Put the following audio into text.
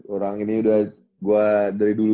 orang ini udah gue dari dulu